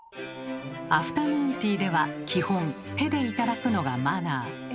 アフタヌーンティーでは基本手でいただくのがマナー。